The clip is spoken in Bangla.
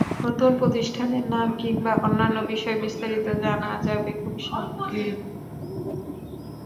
নতুন প্রতিষ্ঠানের নাম কিংবা অন্যান্য বিষয়ে বিস্তারিত জানা যাবে খুব শিগগির।